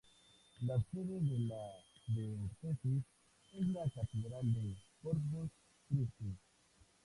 La sede de la Diócesis es la Catedral de Corpus Christi.